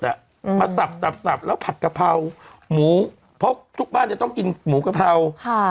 อืมมาสับสับสับแล้วผัดกะเพราหมูเพราะทุกบ้านจะต้องกินหมูกะเพราค่ะ